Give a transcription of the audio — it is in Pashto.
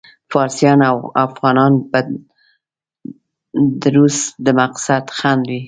فارسیان او افغانان به د روس د مقصد خنډ وي.